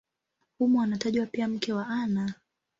Humo anatajwa pia mke wake Ana.